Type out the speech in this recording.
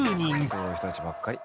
すごい人たちばっかり。